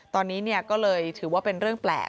ตอนนี้ก็เลยถือว่าเป็นเรื่องแปลก